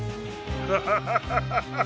ハハハハハ。